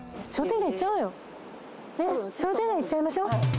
商店街行っちゃいましょ。